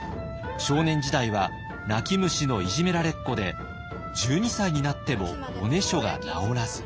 少年時代は泣き虫のいじめられっ子で１２歳になってもおねしょが治らず。